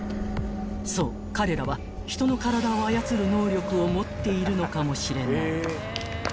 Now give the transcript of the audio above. ［そう彼らは］［能力を持っているのかもしれない］